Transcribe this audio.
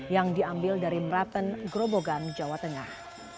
yang diambil dari merapen grobogan jawa tengah